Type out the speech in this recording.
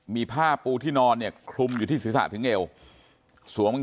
มีผ้าปูที่นอนเนี่ยคลุมอยู่ที่ศีรษะถึงเอวสวม